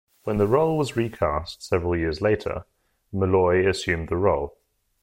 When the role was recast several years later, Malloy assumed the role.